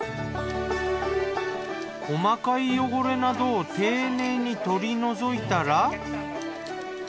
細かい汚れなどを丁寧に取り除いたら。